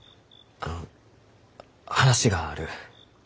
あの話がある。